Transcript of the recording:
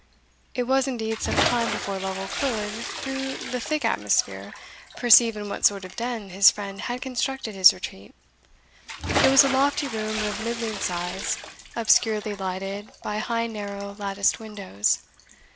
It was indeed some time before Lovel could, through the thick atmosphere, perceive in what sort of den his friend had constructed his retreat. It was a lofty room of middling size, obscurely lighted by high narrow latticed windows.